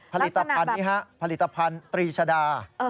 ผลิตภัณฑ์นี้ฮะผลิตภัณฑ์ตรีชดา